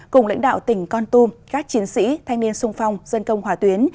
cùng lãnh đạo tỉnh con tum các chiến sĩ thanh niên sung phong dân công hòa tuyến